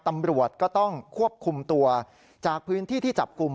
ตำรวจก็ต้องควบคุมตัวจากพื้นที่ที่จับกลุ่ม